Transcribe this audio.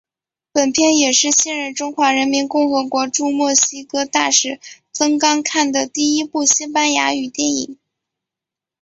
本片也是现任中华人民共和国驻墨西哥大使曾钢看的第一部西班牙语电影。